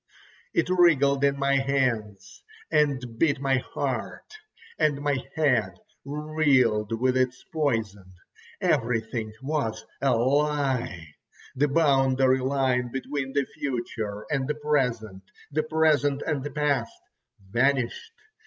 It wriggled in my hands, and bit my heart, and my head reeled with its poison. Everything was a lie! The boundary line between the future and the present, the present and the past, vanished.